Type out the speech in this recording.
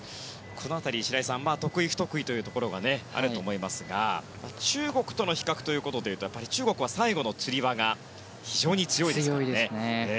この辺り、白井さん得意不得意があると思いますが中国との比較でいったら中国は最後のつり輪が非常に強いですからね。